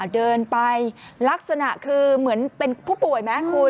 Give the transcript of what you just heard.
เดินไปลักษณะคือเหมือนเป็นผู้ป่วยไหมคุณ